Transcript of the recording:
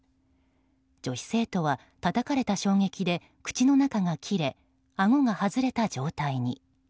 女子生徒はたたかれた衝撃で口の中が切れあごが外れた状態に。